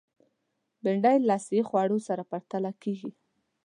بېنډۍ له صحي خوړو سره پرتله کېږي